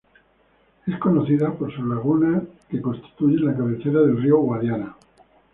Es conocida por sus lagunas, que constituyen la cabecera del río Guadiana.